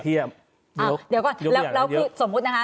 เดี๋ยวก่อนแล้วคือสมมุตินะคะ